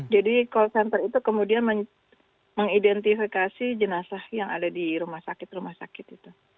call center itu kemudian mengidentifikasi jenazah yang ada di rumah sakit rumah sakit itu